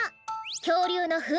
きょうりゅうのふんせき。